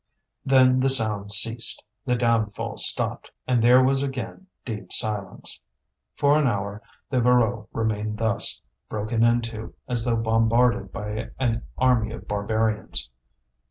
Then the sounds ceased, the downfall stopped, and there was again deep silence. For an hour the Voreux remained thus, broken into, as though bombarded by an army of barbarians.